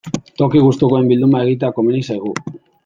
Toki gustukoen bilduma egitea komeni zaigu.